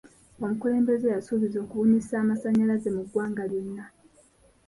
Omukulembeze yasuubiza okubunisa amasanyalaze mu ggwanga lyonna.